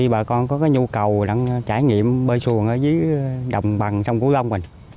bà con có nhu cầu trải nghiệm bơi xuồng ở dưới đồng bằng sông cửu long